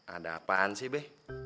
ada apaan sih be